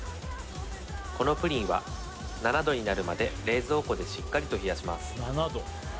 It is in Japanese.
このプリンは７度になるまで冷蔵庫でしっかりと冷やします